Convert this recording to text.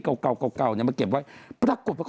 สนุกมากเลยครับ